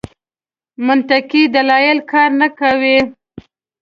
منطقي دلایل کار نه کاوه.